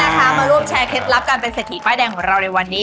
มาร่วมแชร์เคล็ดลับการเป็นเศรษฐีป้ายแดงของเราในวันนี้